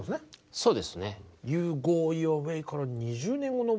そうですね。